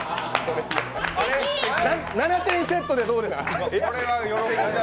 ７点セットでどうですか？